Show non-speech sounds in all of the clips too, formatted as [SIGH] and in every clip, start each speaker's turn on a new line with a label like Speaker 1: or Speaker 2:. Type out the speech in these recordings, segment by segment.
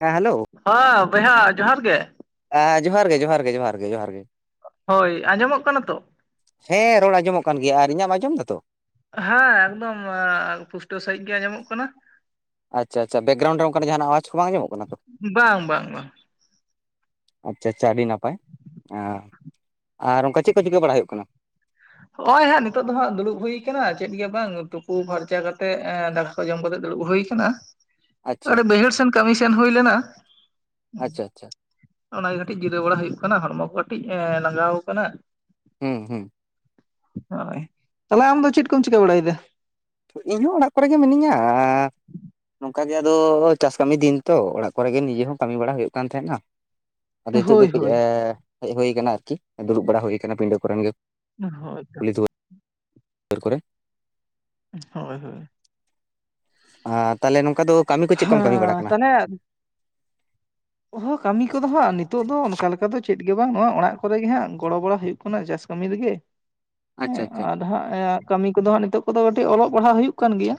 Speaker 1: ᱦᱮᱸ ᱦᱮᱞᱳ᱾
Speaker 2: ᱦᱚᱸᱻ ᱵᱚᱭᱦᱟ ᱡᱚᱦᱟᱨ ᱜᱮ᱾
Speaker 1: ᱟ ᱡᱚᱦᱟᱨ ᱜᱮ ᱡᱚᱦᱟᱨ ᱜᱮ ᱡᱚᱦᱟᱨ ᱜᱮ ᱡᱚᱦᱟᱨ ᱜᱮ᱾
Speaker 2: ᱦᱳᱭ ᱟᱸᱡᱚᱢᱚᱜ ᱠᱟᱱᱟ ᱛᱚ?
Speaker 1: ᱦᱮᱸ ᱨᱚᱲ ᱟᱸᱡᱚᱢᱚᱜ ᱠᱟᱱ ᱜᱮᱭᱟ ᱟᱨ ᱤᱧᱟᱹᱜ ᱮᱢ ᱟᱸᱡᱚᱢ ᱫᱟ ᱛᱚ?
Speaker 2: ᱦᱮᱸ ᱮᱠᱫᱚᱢ ᱯᱩᱥᱴᱟᱹᱣ ᱥᱟᱹᱦᱤᱡ ᱜᱮ ᱟᱸᱡᱚᱢᱚᱜ ᱠᱟᱱᱟ᱾
Speaker 1: ᱟᱪᱪᱷᱟ ᱟᱪᱪᱷᱟ ᱵᱮᱠᱜᱨᱟᱩᱱᱰ ᱨᱮ ᱚᱱᱠᱟᱱᱟᱜ ᱡᱟᱦᱱᱟᱜ ᱟᱣᱟᱡᱽ ᱠᱚ ᱵᱟᱝ ᱟᱡᱟᱢᱚᱜ ᱠᱟᱱᱟ ᱛᱚ?
Speaker 2: ᱵᱟᱝ ᱵᱟᱝ ᱵᱟᱝ
Speaker 1: ᱟᱪᱪᱷᱟ ᱟᱪᱪᱷᱟ ᱟᱹᱰᱤ ᱱᱟᱯᱟᱭ ᱟᱻ ᱟᱨ ᱚᱱᱠᱟ ᱪᱮᱫ ᱠᱚ ᱪᱤᱠᱟᱹ ᱵᱟᱲᱟᱭ ᱦᱩᱭᱩᱜ ᱠᱟᱱᱟ?
Speaker 2: ᱦᱚᱹᱜ-ᱚᱭ ᱦᱟᱹᱜ ᱱᱤᱛᱚᱜ ᱫᱚ ᱦᱟᱸᱜ ᱫᱩᱲᱩᱵ ᱦᱩᱭᱟᱠᱟᱱᱟ ᱪᱮᱫ ᱜᱮ ᱵᱟᱝ ᱛᱩᱯᱩ ᱯᱷᱟᱨᱪᱟ ᱠᱟᱛᱮᱜ ᱮᱸᱻ ᱫᱟᱠᱟ ᱡᱚᱢ ᱠᱟᱛᱮᱜ ᱫᱩᱲᱩᱵ ᱦᱩᱭ ᱟᱠᱟᱱᱟ᱾
Speaker 1: ᱟᱪᱪᱷᱟ
Speaker 2: ᱟᱲᱮ ᱵᱟᱹᱭᱦᱟᱹᱲ ᱥᱮᱱ ᱠᱟᱹᱢᱤ ᱥᱮᱱ ᱦᱩᱭ ᱞᱮᱱᱟᱼᱼ
Speaker 1: ᱟᱪᱪᱷᱟ ᱟᱪᱪᱷᱟ
Speaker 2: ᱚᱱᱟᱜᱮ ᱠᱟᱹᱴᱤᱡ ᱡᱤᱨᱟᱹᱣ ᱵᱟᱲᱟ ᱦᱩᱭᱩᱜ ᱠᱟᱱᱟ ᱦᱚᱲᱢᱚ ᱠᱚ ᱠᱟᱹᱴᱤᱡ ᱮᱸ ᱞᱟᱜᱟᱣ ᱟᱠᱟᱱᱟ᱾
Speaker 1: ᱦᱩᱸᱸ ᱦᱩᱸ᱾
Speaker 2: ᱦᱳᱭ, ᱛᱟᱦᱚᱞᱮ ᱟᱢᱫᱚ ᱪᱮᱫ ᱠᱚᱢ ᱪᱤᱠᱟᱹ ᱵᱟᱲᱟᱭᱮᱫᱟ?
Speaker 1: ᱤᱧᱦᱚᱸ ᱚᱲᱟᱜ ᱠᱚᱨᱮᱜ ᱜᱮ ᱢᱤᱱᱟᱹᱧᱟᱻ ᱱᱚᱝᱠᱟ ᱜᱮ ᱟᱫᱚᱻ ᱪᱟᱥ ᱠᱟᱹᱢᱤ ᱫᱤᱱ ᱛᱚ, ᱚᱲᱟᱜ ᱠᱚᱨᱮ ᱜᱮ ᱱᱤᱡᱮ ᱦᱚᱸ ᱠᱟᱹᱢᱤ ᱵᱟᱲᱟ ᱦᱩᱭᱩᱜ ᱠᱟᱱ ᱛᱟᱦᱮᱸᱫ-ᱟ᱾ ᱟᱫᱚ ᱱᱤᱛᱳᱜ ᱫᱚ
Speaker 2: ᱦᱳᱭ
Speaker 1: ᱠᱟᱹᱡ
Speaker 2: ᱦᱳᱭ
Speaker 1: ᱦᱮᱡ ᱦᱩᱭᱟᱠᱟᱱᱟ ᱟᱨᱠᱤ ᱫᱩᱲᱩᱵ ᱵᱟᱲᱟ ᱦᱩᱭᱩᱠᱟᱱᱟ ᱯᱤᱸᱰᱟᱹ ᱠᱚᱨᱮ ᱜᱮ
Speaker 2: ᱦᱳᱭ ᱛᱚ
Speaker 1: ᱟᱹᱨ ᱠᱚᱨᱮ
Speaker 2: ᱦᱳᱭ ᱦᱳᱭ
Speaker 1: ᱟᱨ ᱛᱟᱦᱞᱮ ᱱᱚᱝᱠᱟ ᱫᱚ ᱠᱟᱹᱢᱤ ᱠᱚ ᱪᱮᱫ ᱠᱚᱢ ᱠᱟᱹᱢᱤ ᱵᱟᱲᱟ
Speaker 2: ᱦᱮᱸ
Speaker 1: ᱠᱟᱱᱟ
Speaker 2: ᱛᱟᱦᱚᱞᱮ ᱦᱚᱸ ᱠᱟᱹᱢᱤ ᱠᱚᱫᱚ ᱦᱟᱸᱜ ᱱᱤᱛᱚᱜ ᱫᱚ ᱚᱱ ᱠᱟ ᱞᱮᱠᱟ ᱫᱚ ᱪᱮᱫ ᱜᱮ ᱵᱟᱝ ᱱᱚᱣᱟ ᱚᱲᱟᱜ ᱠᱚᱨᱮᱜᱮ ᱦᱟᱸᱜ ᱜᱚᱲᱚ ᱵᱟᱚᱲ ᱦᱩᱭᱩᱜ ᱠᱟᱱᱟ ᱪᱟᱥ ᱠᱟᱹᱢᱤ ᱨᱮᱜᱮ
Speaker 1: ᱟᱪᱪᱷᱟ ᱟᱪᱪᱷᱟ
Speaker 2: ᱟᱨ ᱦᱮᱸ ᱠᱟᱹᱢᱤ ᱠᱚᱫᱚ ᱦᱟᱜ ᱱᱤᱛᱚᱜ ᱠᱚᱫᱚ ᱠᱟᱹᱴᱤᱡ ᱚᱞᱚᱜ ᱯᱟᱲᱦᱟᱜ ᱦᱩᱭᱩᱜ ᱠᱟᱱ ᱜᱮᱭᱟ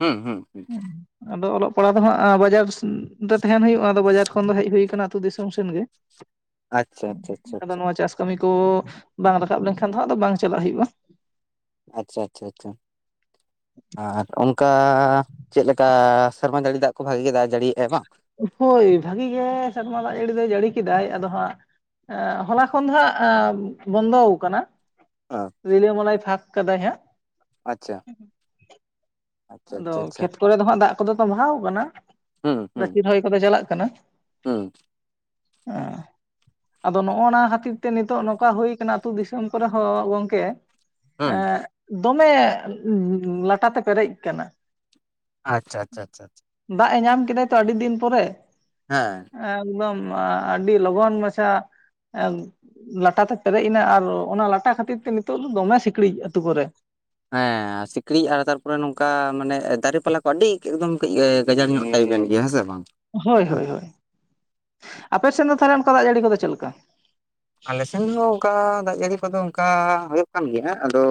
Speaker 1: ᱦᱩᱸ ᱦᱩᱸ
Speaker 2: ᱦᱮᱸ ᱟᱫᱚ ᱚᱞᱚᱜ ᱯᱟᱲᱦᱟᱜ ᱫᱚ ᱦᱟᱸᱜ ᱵᱟᱡᱟᱨ ᱨᱮ ᱛᱟᱦᱮᱱ ᱦᱳᱭᱩᱜ-ᱟ ᱟᱫᱚ ᱵᱟᱡᱟᱨ ᱠᱷᱚᱱ ᱫᱚ ᱦᱮᱡ ᱦᱩᱭ ᱟᱠᱟᱱᱟ ᱟᱹᱛᱩᱳ ᱫᱤᱥᱚᱢ ᱥᱮᱱᱜᱮ
Speaker 1: ᱟᱪᱪᱷᱟ ᱟᱪᱪᱷᱟ ᱟᱪᱪᱷᱟ
Speaker 2: ᱟᱫᱚ ᱱᱚᱣᱟ ᱪᱟᱥ ᱠᱟᱹᱢᱤ ᱠᱚ ᱵᱟᱝ ᱨᱟᱠᱟᱵ ᱞᱮᱱᱠᱷᱟᱱ ᱫᱚ ᱟᱫᱚ ᱵᱟᱝ ᱪᱟᱞᱟᱜ ᱦᱩᱭᱩᱜᱼᱟ᱾
Speaker 1: ᱟᱪᱪᱷᱟ ᱟᱪᱪᱷᱟ ᱟᱪᱪᱷᱟ ᱟᱨ ᱚᱱ ᱠᱟ ᱪᱮᱫ ᱞᱮᱠᱟ ᱥᱮᱨᱢᱟ ᱡᱟᱹᱲᱤ ᱫᱟᱜ ᱠᱚ ᱵᱷᱟᱜᱤ ᱜᱮ ᱫᱟᱜ ᱡᱟᱹᱲᱤᱭᱝᱮᱜ-ᱟᱭ ᱵᱟᱝ
Speaker 2: ᱦᱳᱭ ᱵᱷᱟᱹᱜᱤ ᱜᱮ ᱥᱮᱨᱢᱟ ᱫᱟᱜ ᱡᱟᱨᱤ ᱫᱚᱭ ᱡᱟᱨᱤ ᱠᱮᱫᱟᱭ ᱟᱫᱚ ᱦᱟᱸᱜ ᱦᱚᱞᱟ ᱠᱷᱚᱱ ᱫᱚ ᱦᱟᱸᱜ ᱵᱚᱱᱫᱚᱣ ᱠᱟᱱᱟ
Speaker 1: ᱚ
Speaker 2: ᱨᱤᱞᱟᱹ ᱢᱟᱞᱟᱭ ᱯᱷᱟᱠ ᱠᱟᱫᱟᱭ ᱦᱟᱜ
Speaker 1: ᱟᱪᱪᱷᱟ ᱟᱪᱪᱷᱟ
Speaker 2: ᱟᱫᱚ
Speaker 1: ᱟᱪᱪᱷᱟ ᱟᱪᱪᱷᱟ
Speaker 2: ᱠᱷᱮᱛ ᱠᱚᱨᱮ ᱫᱚ ᱦᱟᱸᱜ ᱫᱟᱜ ᱠᱚᱫᱚ ᱛᱚ ᱵᱟᱦᱟᱣ ᱠᱟᱱᱟ ᱜᱟᱹᱪᱷᱤ ᱨᱚᱦᱚᱭ ᱠᱚᱫᱚ ᱪᱟᱞᱟᱜ ᱠᱟᱱᱟ᱾
Speaker 1: ᱦᱮᱸ
Speaker 2: ᱚ ᱟᱫᱚ ᱱᱚᱜᱼᱱᱟ ᱠᱷᱟᱹᱛᱤᱨ ᱛᱮ ᱱᱤᱛᱚᱜ ᱱᱚᱝᱠᱟ ᱦᱩᱭᱠᱟᱱᱟ ᱟᱹᱛᱩ ᱫᱤᱥᱚᱢ ᱠᱚᱨᱮ ᱦᱚᱸ ᱜᱚᱝᱠᱮ
Speaker 1: ᱦᱩᱸ
Speaker 2: ᱮᱸᱜ ᱫᱚᱢᱮ ᱞᱟᱴᱟᱛᱮ ᱯᱮᱨᱮᱡ ᱠᱟᱱᱟ
Speaker 1: ᱟᱪᱪᱷᱟ ᱪᱷᱟ ᱪᱷᱟ
Speaker 2: ᱫᱟᱜ ᱮᱭ ᱧᱟᱢ ᱠᱮᱫᱟ ᱛᱚ ᱟᱹᱰᱤ ᱫᱤᱱ ᱯᱚᱨᱮ
Speaker 1: ᱦᱮᱸ
Speaker 2: ᱮᱠᱫᱚᱢ ᱟᱹᱰᱤ ᱞᱚᱜᱚᱱ ᱢᱟᱪᱷᱟ ᱞᱟᱴᱟᱛᱮ ᱯᱮᱨᱮᱡ ᱮᱱᱟ ᱟᱨ ᱚᱱᱟ ᱞᱟᱴᱟ ᱠᱷᱟᱹᱛᱤᱨ ᱛᱮ ᱱᱤᱛᱚᱜ ᱫᱚ ᱫᱚᱢᱮ ᱥᱤᱠᱲᱤᱡ ᱟᱛᱳ ᱠᱚᱨᱮ
Speaker 1: ᱦᱮᱸ ᱥᱤᱠᱲᱤᱡ ᱟᱨ ᱛᱟᱨᱯᱚᱨᱮ ᱱᱚᱝᱠᱟ ᱢᱟᱱᱮ ᱫᱟᱨᱮ ᱯᱟᱞᱟ ᱠᱚ ᱟᱹᱰᱤ ᱮᱠᱫᱚᱢ ᱠᱟᱹᱡ ᱮ ᱜᱟᱡᱟᱲ ᱧᱚᱜ ᱴᱟᱭᱤᱯ ᱮᱱ ᱜᱮᱭᱟ ᱦᱮᱸ ᱥᱮ ᱵᱟᱝ
Speaker 2: ᱦᱳᱭ
Speaker 1: ᱦᱩᱸ
Speaker 2: ᱦᱳᱭ ᱦᱳᱭ ᱟᱯᱮ ᱥᱮᱫ ᱫᱚ ᱛᱟᱦᱞᱮ ᱚᱱᱠᱟ ᱫᱟᱜ ᱡᱟᱹᱲᱤ ᱠᱚ ᱫᱚ ᱪᱮᱫ ᱞᱮᱠᱟ?
Speaker 1: ᱟᱞᱮ ᱥᱮᱱ ᱦᱚᱸ ᱚᱱᱠᱟ ᱫᱟᱜ ᱡᱟᱹᱲᱤ ᱠᱚ ᱫᱚ ᱚᱱᱠᱟ ᱦᱳᱭᱳᱜ ᱠᱟᱱ ᱜᱮᱭᱟᱜ᱾ ᱟᱫᱚ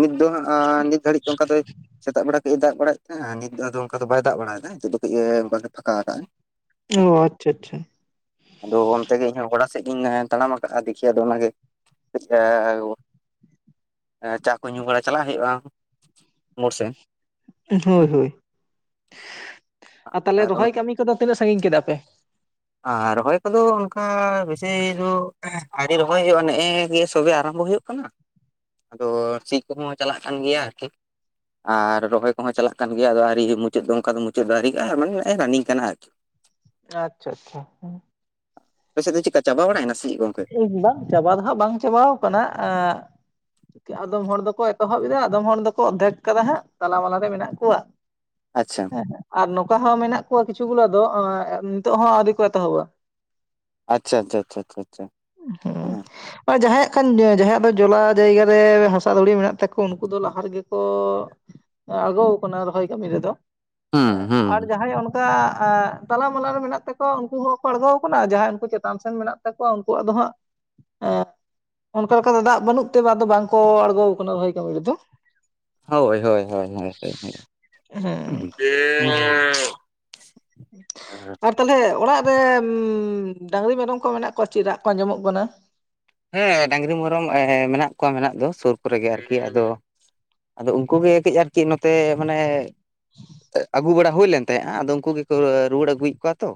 Speaker 1: ᱱᱤᱛ ᱫᱚ ᱦᱟᱸᱜ ᱟᱻ ᱱᱤᱛ ᱜᱷᱟᱹᱲᱤᱡ ᱚᱱᱠᱟ ᱛᱮᱭ ᱥᱮᱛᱟᱜ ᱵᱮᱲᱟ ᱠᱟᱹᱡ ᱮ ᱫᱟᱜ ᱵᱟᱲᱟᱭᱮᱜ ᱛᱟᱦᱮᱜᱼᱟ ᱾ᱱᱤᱛ ᱫᱚ ᱟᱫᱚ ᱚᱱᱠᱟ ᱫᱚ ᱵᱟᱭ ᱫᱟᱜ ᱵᱟᱲᱟᱭ ᱫᱟ ᱱᱤᱛᱚᱜ ᱫᱚ ᱠᱟᱹᱡ ᱮ ᱚᱱᱠᱟ ᱜᱮ ᱯᱷᱟᱸᱠᱟ ᱠᱟᱜ-ᱟᱭ᱾
Speaker 2: ᱚ ᱟᱪᱪᱷᱟ ᱟᱪᱪᱷᱟ᱾
Speaker 1: ᱟᱫᱚ ᱚᱱᱛᱮ ᱜᱮ ᱤᱧ ᱦᱚᱸ ᱜᱚᱰᱟ ᱥᱮᱫ ᱜᱤᱧ ᱛᱟᱲᱟᱢ ᱫᱤᱠᱷᱤ ᱟᱫᱚ ᱚᱱᱟ ᱜᱮ [UNINTELLIGIBLE] ᱪᱟ ᱠᱚ ᱧᱩᱸ ᱵᱟᱲᱟ ᱪᱟᱞᱟᱜ ᱦᱳᱭᱳᱜᱼᱟ᱾ ᱢᱳᱲ ᱥᱮᱱ᱾
Speaker 2: ᱦᱳᱭ
Speaker 1: ᱦᱮᱸ
Speaker 2: ᱦᱳᱭ᱾ ᱟᱨ ᱛᱟᱦᱞᱮ ᱨᱚᱦᱚᱭ ᱠᱟᱹᱢᱤ ᱠᱚ ᱫᱚ ᱛᱤᱱᱟᱹᱜ ᱥᱟᱸᱜᱤᱧ ᱠᱮᱫᱟ ᱯᱮ?
Speaker 1: ᱟᱨ ᱨᱚᱦᱚᱭ ᱠᱚ ᱫᱚ ᱚᱱᱠᱟ ᱵᱤᱥᱤ ᱫᱚ ᱨᱚᱦᱚᱭ ᱦᱳᱭᱳᱜᱼᱟ᱾ ᱱᱮᱸᱜ ᱮ ᱜᱮ ᱥᱚᱵᱮ ᱟᱨᱟᱢ ᱵᱚ ᱦᱳᱭᱳᱜ ᱠᱟᱱᱟ ᱟᱫᱚ ᱥᱤ ᱠᱚ ᱦᱚᱸ ᱪᱟᱞᱟᱜ ᱠᱟᱱ ᱜᱮᱭᱟ ᱟᱨᱠᱤ ᱟᱨ ᱨᱚᱦᱚᱭ ᱠᱚ ᱦᱚᱸ ᱪᱟᱞᱟᱜ ᱠᱟᱱ ᱜᱮᱭᱟ᱾ ᱟᱫᱚ ᱟᱹᱣᱨᱤ ᱢᱩᱪᱟᱹᱫ ᱫᱚ ᱚᱱᱠᱟ ᱫᱚ ᱢᱩᱪᱟᱹᱫ ᱫᱚ ᱟᱹᱣᱨᱤᱭᱟᱜᱼᱟ᱾ ᱢᱟᱱᱮ ᱨᱟᱱᱤᱝ ᱠᱟᱱᱟ ᱟᱨᱠᱤ
Speaker 2: ᱟᱪᱪᱷᱟ ᱟᱪᱪᱷᱟ ᱦᱮᱸ᱾
Speaker 1: ᱟᱯᱮ ᱥᱮᱫ ᱫᱚ ᱪᱮᱫᱠᱟ ᱪᱟᱵᱟ ᱵᱟᱲᱟᱭᱱᱟ ᱥᱮ ᱪᱮᱫ ᱜᱚᱝᱠᱮ?
Speaker 2: ᱴᱤᱠ ᱵᱟᱝ ᱪᱟᱵᱟ ᱫᱚ ᱦᱟᱸᱜ ᱵᱟᱝ ᱟᱠᱟᱱᱟ ᱮᱸ᱾ ᱟᱫᱚᱢ ᱦᱚᱲ ᱫᱚ ᱠᱚ ᱮᱛᱚᱦᱚᱵ ᱮᱫᱟ᱾ ᱟᱫᱚᱢ ᱦᱚᱲ ᱫᱚ ᱠᱚ ᱚᱫᱷᱮᱠ ᱠᱟᱫᱟ ᱦᱟᱸᱜ ᱛᱟᱞᱟ ᱢᱟᱞᱟ ᱨᱮ ᱢᱮᱱᱟᱜ ᱠᱚᱣᱟ᱾ [UNINTELLIGIBLE]
Speaker 1: ᱟᱪᱪᱷᱟ᱾
Speaker 2: ᱟᱨ ᱱᱚᱝᱠᱟ ᱦᱚᱸ ᱢᱮᱱᱟᱜ ᱠᱚᱣᱟ᱾ᱠᱤᱪᱷᱩ ᱜᱩᱞᱟᱹ ᱫᱚ ᱱᱤᱛᱚᱜ ᱦᱚᱸ ᱟᱹᱣᱨᱤ ᱠᱚ ᱮᱛᱚᱦᱚ ᱵᱟ᱾
Speaker 1: ᱟᱪᱪᱷᱟ ᱟᱪᱪᱷᱟ ᱟᱪᱪᱷᱟ ᱟᱪᱪᱷᱟ ᱟᱪᱪᱷᱟ ᱟᱪᱪᱷᱟ
Speaker 2: [UNINTELLIGIBLE] ᱡᱟᱸᱦᱟᱭ ᱟᱜ ᱠᱷᱟᱱ ᱡᱟᱸᱦᱟᱭ ᱟᱜ ᱫᱚ ᱡᱚᱞᱟ ᱡᱟᱭᱜᱟ ᱨᱮ ᱦᱟᱥᱟ ᱫᱷᱩᱲᱤ ᱢᱮᱱᱟᱜ ᱛᱟᱠᱚᱣᱟ ᱾ᱩᱱᱠᱩ ᱫᱚ ᱞᱟᱦᱟ ᱨᱮ ᱜᱮ ᱠᱚᱻᱻᱼᱼ ᱟᱲᱜᱳ ᱠᱟᱱᱟ ᱨᱚᱦᱚᱭ ᱠᱟᱹᱢᱤ ᱨᱮ ᱫᱚ᱾
Speaker 1: ᱦᱩᱸ
Speaker 2: ᱦᱮᱸ
Speaker 1: ᱦᱩᱸ
Speaker 2: ᱟᱨ ᱡᱟᱸᱦᱟᱭ ᱚᱱᱠᱟ ᱚᱱᱠᱟ ᱛᱟᱞᱟ ᱢᱟᱞᱟ ᱨᱮ ᱢᱮᱱᱟᱜ ᱛᱟᱠᱚᱣᱟ᱾ ᱩᱱᱠᱩ ᱦᱚᱸᱠᱚ ᱟᱲᱜᱳ ᱟᱠᱟᱱᱟ ᱡᱟᱸᱦᱟᱭ ᱩᱱᱠᱩ ᱪᱮᱛᱟᱱ ᱥᱮᱱ ᱢᱮᱱᱟᱜ ᱛᱟᱠᱚᱣᱟ ᱩᱱᱠᱩᱣᱟᱜ ᱫᱚ ᱦᱟᱸᱜ ᱮᱜᱻ ᱚᱱᱠᱟ ᱞᱮᱠᱟ ᱫᱚ ᱫᱟᱜ ᱵᱟᱹᱱᱩᱜ ᱛᱮ ᱟᱫᱚ ᱵᱟᱝ ᱠᱚ ᱟᱲᱜᱳ ᱟᱠᱟᱱᱟ ᱵᱷᱟᱹᱭ ᱠᱟᱹᱢᱤ ᱨᱮ ᱫᱚ
Speaker 1: ᱦᱳᱭ ᱦᱳᱭ ᱦᱳᱭ
Speaker 2: ᱦᱮᱸ
Speaker 1: ᱦᱳᱭ᱾
Speaker 2: ᱟᱨ ᱛᱟᱦᱞᱮ ᱚᱲᱟᱜ ᱨᱮ ᱰᱟᱹᱝᱨᱤ ᱢᱮᱨᱚᱢ ᱠᱚ ᱢᱮᱱᱟᱜ ᱠᱚᱣᱟ? ᱪᱮᱫ ᱨᱟᱜ ᱠᱚ ᱟᱸᱡᱚᱢ ᱚᱜ ᱠᱟᱱᱟ᱾
Speaker 1: ᱦᱮᱸ ᱰᱟᱹᱝᱨᱤ ᱢᱮᱨᱚᱢ ᱢᱮᱱᱟᱜ ᱠᱚᱣᱟ ᱢᱮᱱᱟᱜ ᱫᱚ ᱥᱳᱨ ᱠᱚ ᱨᱮ ᱜᱮ᱾ ᱟᱨ ᱠᱤ ᱟᱫᱚ ᱟᱫᱚ ᱩᱱᱠᱩ ᱜᱮ ᱠᱟᱹᱡ ᱟᱨ ᱠᱤ ᱱᱚᱛᱮ ᱢᱟᱱᱮ ᱟᱹᱜᱩ ᱵᱟᱲᱟ ᱦᱩᱭ ᱞᱮᱱ ᱛᱟᱦᱮᱸᱜᱼᱟ᱾ ᱟᱫᱚ ᱩᱱᱠᱩ ᱜᱮ ᱠᱚ ᱨᱩᱣᱟᱹᱲ ᱟᱹᱜᱩᱭᱮᱜ ᱠᱚᱣᱟ ᱛᱚ᱾